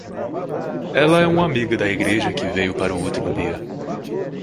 Ela é uma amiga da igreja que veio para o último dia.